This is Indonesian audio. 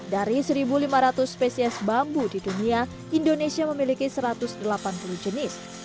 dari satu lima ratus spesies bambu di dunia indonesia memiliki satu ratus delapan puluh jenis